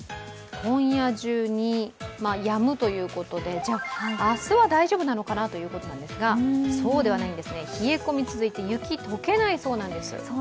今夜中にやむということで、明日は大丈夫なのかなということですが、そうではないんですね、冷え込みが続いて雪が解けないんです。